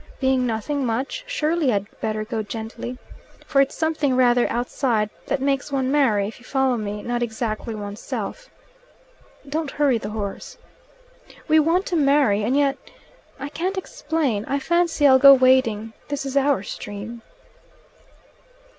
Being nothing much, surely I'd better go gently. For it's something rather outside that makes one marry, if you follow me: not exactly oneself. (Don't hurry the horse.) We want to marry, and yet I can't explain. I fancy I'll go wading: this is our stream."